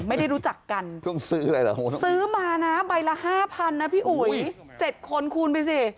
ไม่ได้รู้จักกันซื้อมานะใบละ๕๐๐๐นะพี่อุ๋ย๗คนคูณไปสิ